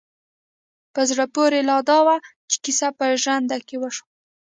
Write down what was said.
په زړه پورې لا دا وه چې کيسه په ژرنده کې وشوه.